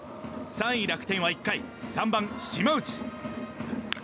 ３位、楽天は１回３番、島内。